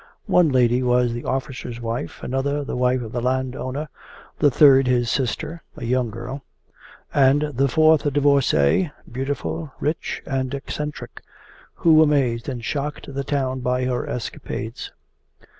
One lady was the officer's wife, another the wife of the landowner, the third his sister a young girl and the fourth a divorcee, beautiful, rich, and eccentric, who amazed and shocked the town by her escapades.